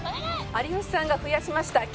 有吉さんが増やしました